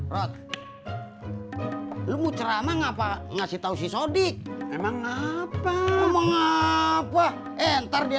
rot lu mau ceramah ngapa ngasih tahu si sodi emang ngapa mau ngapa entar dia